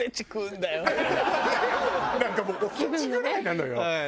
なんかもうお節ぐらいなのよ